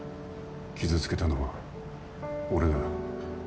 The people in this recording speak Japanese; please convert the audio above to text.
傷つけたのは俺だ。